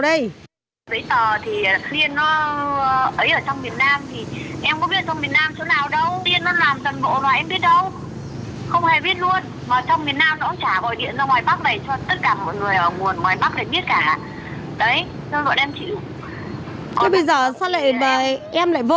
bây giờ thì tiến ra bên thì mới có giấy tờ